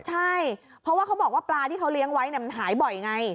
ใช่เพราะว่าเขาบอกว่าปลาที่เขาเลี้ยงไว้มันหายบ่อยไง